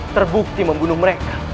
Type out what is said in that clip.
terbukti membunuh mereka